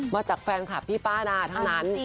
มาจากแฟนคลับพี่ป้านาเท่านั้น